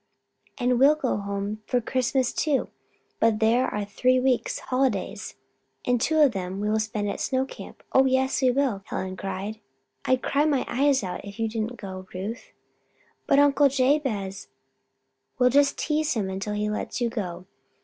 "And we'll go home for Christmas, too; but there are three weeks' holidays, and two of them we will spend at Snow Camp. Oh, yes we will!" Helen cried. "I'd cry my eyes out if you didn't go, Ruth." "But Uncle Jabez " "We'll just tease him until he lets you go.